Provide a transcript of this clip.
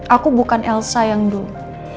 aku bukan elsa yang dulu